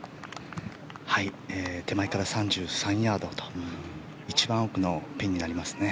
はい手前から３３ヤードと一番奥のピンになりますね。